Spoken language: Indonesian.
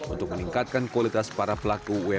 untuk meningkatkan kualitas para pelaku umkm di tanah air